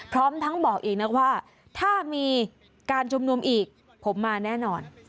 พร้อมทั้งบอกอีกนะว่าถ้ามีการชุมนุมอีกผมมาแน่นอน